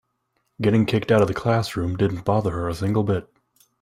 Getting kicked out of the classroom didn't bother her a single bit.